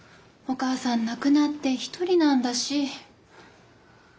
お母さん亡くなって一人なんだし。